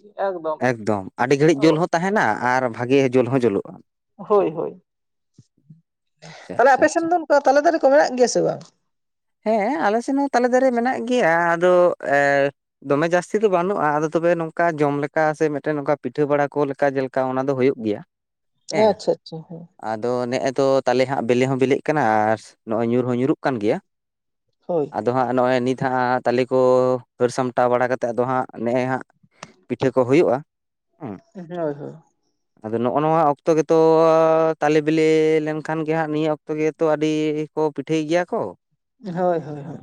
Speaker 1: ᱮᱠᱫᱚᱢ ᱟᱹᱰᱤ ᱜᱷᱟᱹᱲᱤᱡ ᱡᱳᱞ ᱦᱚᱸ ᱛᱟᱦᱮᱱᱟ ᱟᱨ ᱵᱷᱟᱜᱮ ᱡᱳᱞ ᱦᱚᱸ ᱡᱩᱞᱩᱜᱼᱟ᱾
Speaker 2: ᱦᱳᱭ ᱦᱳᱭ
Speaker 1: ᱟᱪᱪᱷᱟ
Speaker 2: ᱛᱟᱦᱞᱮ
Speaker 1: ᱟᱪᱪᱷᱟ
Speaker 2: ᱟᱯᱮ ᱥᱮᱱ
Speaker 1: ᱟᱪᱪᱷᱟ
Speaker 2: ᱫᱚ ᱚᱱᱠᱟ ᱛᱟᱞᱮ ᱫᱟᱨᱮ ᱠᱚ ᱢᱮᱱᱟᱜ ᱜᱮᱭᱟ ᱥᱮ ᱵᱟᱝ?
Speaker 1: ᱦᱮᱸ ᱟᱞᱮ ᱥᱮᱫ ᱦᱚᱸ ᱛᱟᱞᱮ ᱫᱟᱨᱮ ᱢᱮᱱᱟᱜ ᱜᱮᱭᱟ ᱟᱫᱚ ᱮ ᱫᱚᱢᱮ ᱡᱟᱹᱥᱛᱤ ᱫᱚ ᱵᱟᱹᱱᱩᱜᱼᱟ ᱟᱫᱚ ᱛᱚᱵᱮ ᱱᱚᱝᱠᱟ ᱡᱚᱢ ᱞᱮᱠᱟ ᱥᱮ ᱢᱤᱫᱴᱮᱱ ᱱᱚᱝᱠᱟ ᱯᱤᱴᱷᱟᱹ ᱵᱟᱲᱟ ᱠᱚ ᱞᱮᱠᱟ ᱡᱮᱞᱮ ᱠᱟ ᱚᱱᱟ ᱫᱚ ᱦᱩᱭᱩᱜ ᱜᱮᱭᱟ᱾
Speaker 2: ᱦᱮᱸ ᱟᱪᱪᱷᱟ ᱟᱪᱪᱷᱟ ᱦᱮᱸ᱾
Speaker 1: ᱟᱫᱚ ᱱᱮᱜᱼᱮ ᱫᱚ ᱛᱟᱞᱚᱞᱮ ᱦᱟᱸᱜ ᱵᱞᱮ ᱦᱚᱸ ᱵᱤᱞᱤᱮᱜ ᱠᱟᱱᱟ ᱟᱨ ᱱᱚᱜᱼᱚᱭ ᱧᱩᱨ ᱦᱚᱸ ᱧᱩᱨᱩᱜ ᱠᱟᱱ ᱜᱮᱭᱟ᱾
Speaker 2: ᱦᱳᱭ
Speaker 1: ᱟᱫᱚ ᱦᱟᱸᱜ ᱱᱚᱜᱼᱚᱭ ᱱᱤᱛ ᱦᱟᱸᱜ ᱛᱟᱞᱮ ᱠᱚ ᱦᱟᱹᱨ ᱥᱟᱢᱴᱟᱣ ᱵᱟᱲᱟ ᱠᱟᱛᱮᱫ ᱟᱫᱚ ᱦᱟᱸᱜ ᱱᱮᱜᱼᱮ ᱦᱟᱸᱜ ᱯᱤᱴᱷᱟᱹ ᱠᱚ ᱦᱩᱭᱩᱜᱼᱟ ᱦᱩᱸ᱾
Speaker 2: ᱦᱳᱭ ᱦᱳᱭ᱾
Speaker 1: ᱟᱫᱚ ᱱᱚᱜᱼᱚ ᱱᱚᱣᱟ ᱚᱠᱛᱚ ᱜᱮᱛᱚ ᱛᱟᱞᱮ ᱵᱤᱞᱮ ᱞᱮᱱᱠᱷᱟᱱ ᱜᱮ ᱦᱟᱸᱟᱜ ᱱᱤᱭᱟᱹ ᱚᱠᱛᱚ ᱜᱮᱛᱚ ᱟᱹᱰᱤ ᱠᱚ ᱯᱤᱴᱷᱟᱹᱭ ᱜᱮᱭᱟ ᱠᱚ᱾
Speaker 2: ᱦᱳᱭ ᱦᱳᱭ ᱦᱳᱭ᱾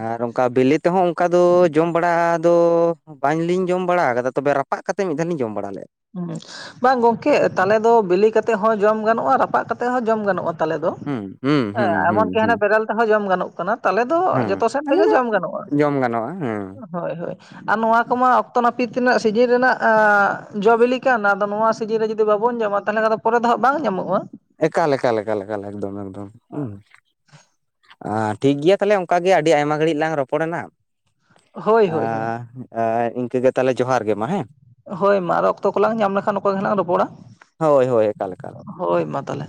Speaker 1: ᱟᱨ ᱚᱱᱠᱟ ᱵᱤᱞᱤ ᱛᱮᱦᱚᱸ ᱚᱱᱠᱟ ᱫᱚ ᱡᱚᱢ ᱵᱟᱲᱟ ᱫᱚ ᱵᱟᱝᱞᱤᱧ ᱡᱚᱢ ᱵᱟᱲᱟ ᱟᱠᱟᱫᱟ ᱛᱚᱵᱮ ᱨᱟᱯᱟᱜ ᱠᱟᱛᱮ ᱢᱤᱫᱷᱟ ᱞᱤᱧ ᱡᱚᱢ ᱵᱟᱲᱟ ᱞᱮᱫᱼᱟ᱾
Speaker 2: ᱦᱩᱸ ᱵᱟᱝ ᱜᱚᱝᱠᱮ ᱛᱟᱞᱮ ᱫᱚ ᱵᱤᱞᱮ ᱠᱟᱛᱮᱜ ᱦᱚᱸ ᱡᱚᱢ ᱜᱟᱱᱚᱜᱼᱟ ᱨᱟᱯᱟᱜ ᱠᱟᱛᱮ ᱦᱚᱸ ᱡᱚᱢ ᱜᱟᱱᱚᱜᱼᱟ᱾ ᱛᱟᱞᱮ ᱫᱚ᱾
Speaker 1: ᱦᱩᱸ ᱦᱩᱸ
Speaker 2: ᱮ
Speaker 1: ᱦᱩᱸ ᱦᱩᱸ
Speaker 2: ᱮᱢᱚᱱᱠᱤ ᱦᱟᱱᱮ
Speaker 1: ᱦᱩᱸ
Speaker 2: ᱵᱮᱨᱮᱞ ᱛᱮᱦᱚᱸ ᱡᱚᱢ ᱜᱟᱱᱚᱜ ᱠᱟᱱᱟ᱾ ᱛᱟᱞᱮ ᱫᱚ
Speaker 1: ᱦᱮᱸ
Speaker 2: ᱡᱚᱛᱚ ᱥᱮᱱ
Speaker 1: ᱛᱟᱦᱚᱞᱮ
Speaker 2: ᱛᱮᱜᱮ
Speaker 1: ᱫᱚ
Speaker 2: ᱡᱚᱢ ᱜᱟᱱᱚᱜᱼᱟ᱾
Speaker 1: ᱡᱚᱢ ᱜᱟᱱᱚᱜᱼᱟ ᱦᱮᱸ᱾
Speaker 2: ᱦᱳᱭ ᱦᱳᱭ ᱟᱨ ᱱᱚᱣᱟ ᱠᱚᱢᱟ ᱚᱠᱛᱚ ᱱᱟᱹᱯᱤᱛ ᱨᱮᱱᱟᱜ ᱥᱤᱡᱤᱱ ᱨᱮᱱᱟᱜ ᱟ ᱡᱚ ᱵᱤᱞᱤ ᱠᱟᱱ ᱫᱚ ᱱᱚᱣᱟ ᱥᱤᱡᱤᱱ ᱨᱮ ᱡᱩᱫᱤ ᱵᱟᱵᱚᱱ ᱧᱟᱢᱟ ᱛᱟᱦᱚᱞᱮ ᱠᱷᱟᱱ ᱫᱚ ᱯᱚᱨᱮ ᱫᱚ ᱦᱟᱸᱜ ᱵᱟᱝ ᱧᱟᱢᱚᱜᱼᱟ᱾
Speaker 1: ᱮᱠᱟᱞ ᱮᱠᱟᱞ ᱮᱠᱟᱞ ᱮᱠᱟᱞ ᱮᱠᱫᱚᱢ ᱮᱠᱫᱚᱢ ᱦᱩᱸ᱾ ᱟ ᱴᱷᱤᱠ ᱜᱮᱭᱟ ᱛᱟᱦᱚᱞᱮ ᱚᱱᱠ ᱜᱮ ᱟᱹᱰᱤ ᱟᱭᱢᱟ ᱜᱷᱟᱹᱲᱤᱡ ᱞᱟᱝ ᱨᱚᱯᱚᱲᱮᱱᱟ᱾
Speaker 2: ᱦᱳᱭ
Speaker 1: ᱟ
Speaker 2: ᱦᱳᱭ ᱦᱳᱭ
Speaker 1: ᱟᱨ ᱤᱱᱠᱟᱹᱜᱮ ᱛᱟᱞᱦᱮ ᱡᱚᱦᱟᱨ ᱜᱮ ᱢᱟ ᱦᱮᱸ᱾
Speaker 2: ᱦᱳᱭ ᱢᱟ ᱟᱨᱚ ᱚᱠᱛᱚ ᱠᱚᱞᱟᱟᱝ ᱧᱟᱢ ᱞᱮᱠᱷᱟᱱ ᱚᱠᱟ ᱜᱮ ᱱᱟᱦᱜ ᱨᱚᱯᱚᱲᱟ᱾
Speaker 1: ᱦᱳᱭ ᱦᱳᱭ ᱮᱠᱟᱞ ᱮᱠᱟᱞ
Speaker 2: ᱦᱳᱭ ᱢᱟ ᱛᱟᱦᱚᱞᱮ᱾